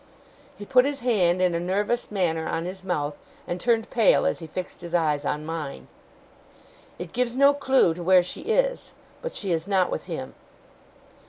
He put his hand, in a nervous manner, on his mouth, and turned pale, as he fixed his eyes on mine. 'It gives no clue to where she is; but she is not with him.